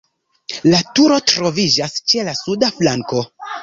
La turo troviĝas ĉe la suda flanko.